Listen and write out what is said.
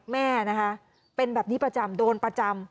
แม่นะคะเป็นแบบนี้ประจำโดนประจำ